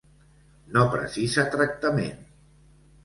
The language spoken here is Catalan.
No precisa tractament.